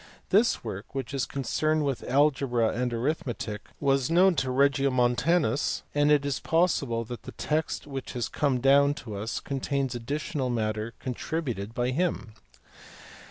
This work, which is concerned with algebra and arithmetic, was known to Regio montanus and it is possible that the text which has come down to us contains additional matter contributed by him.